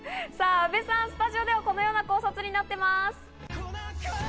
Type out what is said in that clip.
阿部さん、スタジオではこのような考察になっています。